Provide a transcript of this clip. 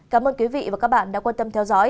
cảm ơn quý vị và các bạn đã quan tâm theo dõi